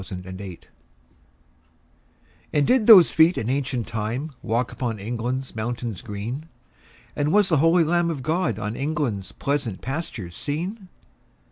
Y Z Jerusalem AND did those feet in ancient time Walk upon England's mountains green? And was the holy Lamb of God On England's pleasant pastures seen?